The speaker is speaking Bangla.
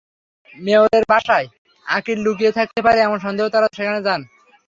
মেয়রের বাসায় আকিল লুকিয়ে থাকতে পারে, এমন সন্দেহে তাঁরা সেখানে যান।